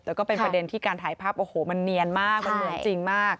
แล้วก็เป็นประเด็นที่การถ่ายภาพโอ้โหมันเนียนมากมันเหมือนจริงมาก